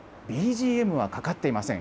ＢＧＭはかかっていません。